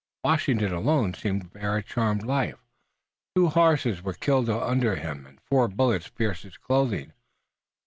Washington alone seemed to bear a charmed life. Two horses were killed under him and four bullets pierced his clothing.